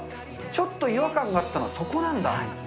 ちょっと違和感あったのはそこなんだ。